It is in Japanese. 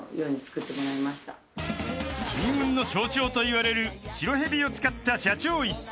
［金運の象徴といわれる白蛇を使った社長椅子］